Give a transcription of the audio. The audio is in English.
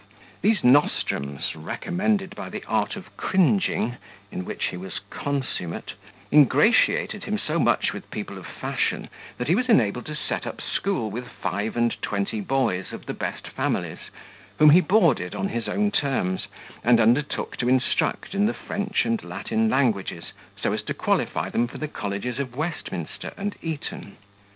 These nostrums, recommended by the art of cringing, in which he was consummate, ingratiated him so much with people of fashion, that he was enabled to set up school with five and twenty boys of the best families, whom he boarded on his own terms and undertook to instruct in the French and Latin languages, so as to qualify them for the colleges of Westminster and Eton.